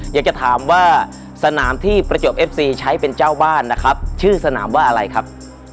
อยากจะถามว่าสนามที่ประจวบเอฟซีใช้เป็นเจ้าบ้านนะครับชื่อสนามว่าอะไรครับ